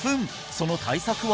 その対策は？